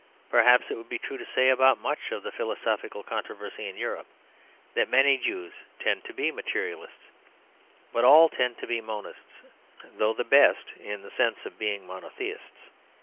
Perhaps it would be true to say about much of the philosophical controversy in Europe, that many Jews tend to be Materialists, but all tend to be Monists, though the best in the sense of being Monotheists.